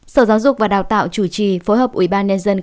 sở giáo dục và đào tạo chủ trì phối hợp ubnd